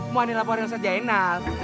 mau di laporan yang serjain nak